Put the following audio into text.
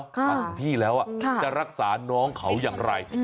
มาถึงที่แล้วจะรักษาน้องเขาอย่างไร